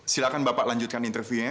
silakan bapak lanjutkan interviewnya